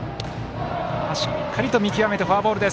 しっかり見極めてフォアボール。